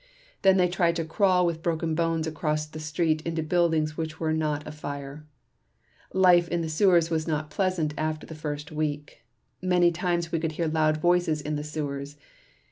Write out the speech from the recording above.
They then tried to crawl with broken bones across the street into buildings which were not afire .... Life in the sewers was not pleasant after the first week. Many times we could hear loud voices in the sewers